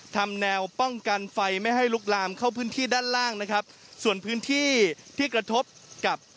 ทำแนวป้องกันไฟไม่ให้ลุกลามเข้าพื้นที่ด้านล่างนะครับส่วนพื้นที่ที่กระทบกับ